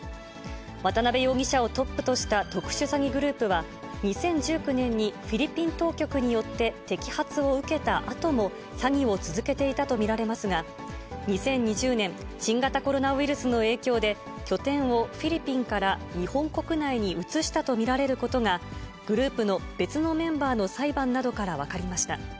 渡辺容疑者をトップとした特殊詐欺グループは、２０１９年にフィリピン当局によって摘発を受けたあとも、詐欺を続けていたと見られますが、２０２０年、新型コロナウイルスの影響で、拠点をフィリピンから日本国内に移したと見られることが、グループの別のメンバーの裁判などから分かりました。